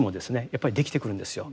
やっぱりできてくるんですよ。